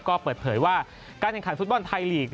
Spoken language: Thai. ก็เปิดเผยว่าการแข่งขันฟุตบอลไทยลีก